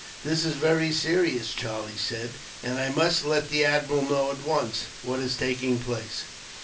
"This is very serious," Charlie said, "and I must let the admiral know, at once, what is taking place."